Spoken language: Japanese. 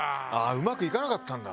うまくいかなかったんだ。